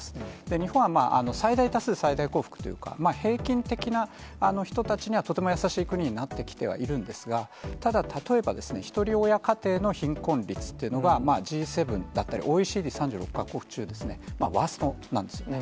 日本は最大多数最大幸福というか、平均的な人たちにはとても優しい国にはなってきてはいるんですが、ただ例えばですね、ひとり親家庭の貧困率というのが、Ｇ７だったりＯＥＣＤ３６か国中、ワーストなんですね。